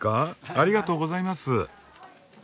ありがとうございます。